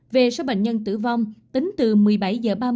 về số bệnh nhân tử vong tính từ một mươi bảy h ba mươi ngày một mươi một tháng sáu